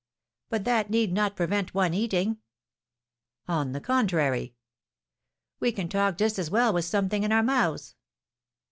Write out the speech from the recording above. "But that need not prevent one eating." "On the contrary." "We can talk just as well with something in our mouths."